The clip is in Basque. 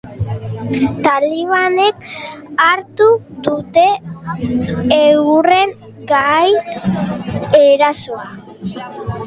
Talibanek hartu dute euren gain erasoa.